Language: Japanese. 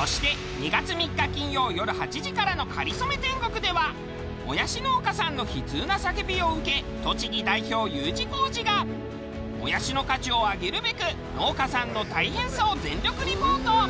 そして２月３日金曜よる８時からの『かりそめ天国』ではもやし農家さんの悲痛な叫びを受け栃木代表Ｕ字工事がもやしの価値を上げるべく農家さんの大変さを全力リポート！